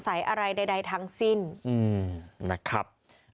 อะไรใดทั้งสิ้นนะครับ